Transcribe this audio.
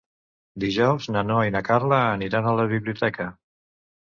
Dijous na Noa i na Carla aniran a la biblioteca.